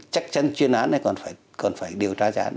chắc chắn chuyên án này còn phải điều tra chán